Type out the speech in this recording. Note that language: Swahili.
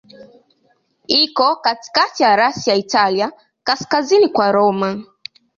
Iko katikati ya rasi ya Italia, kaskazini kwa Roma.